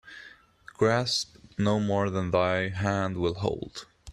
Grasp no more than thy hand will hold.